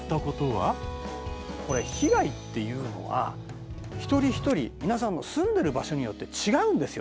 これ被害っていうのは一人一人皆さんの住んでる場所によって違うんですよ